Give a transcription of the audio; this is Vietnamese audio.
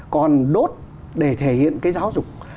còn đốt để thể hiện cái giáo dục